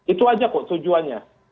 itu aja kok tujuannya